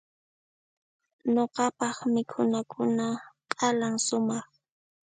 nuqapaq mikhunakuna q'alan sumaq